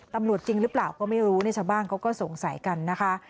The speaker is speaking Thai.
ตำรวจจริงหรือเปล่าก็ไม่รู้เนี่ยชาวบ้านเขาก็สงสัยกันนะคะ